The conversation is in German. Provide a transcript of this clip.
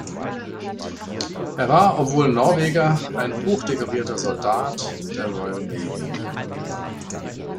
Er war, obwohl Norweger, ein hochdekorierter Soldat der Royal Navy.